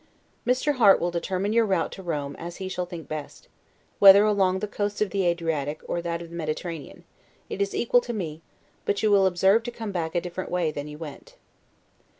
Mr. Harte will determine your route to Rome as he shall think best; whether along the coast of the Adriatic, or that of the Mediterranean, it is equal to me; but you will observe to come back a different way from that you went.